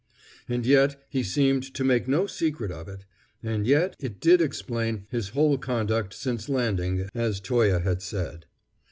And yet, he seemed to make no secret of it; and yet it did explain his whole conduct since landing, as Toye had said.